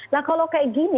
nah kalau kayak gini